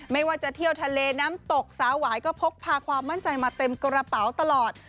ไม่ว่าจะเที่ยวทะเลน้ำตกสาวหวายก็พกพาความมั่นใจมาเต็มกระเป๋าตลอด